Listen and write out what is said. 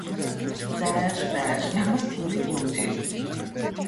зайл зайл ямар тэнэг юм бэ?